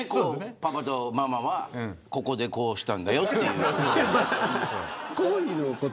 パパとママは、ここでこうしたんだよと。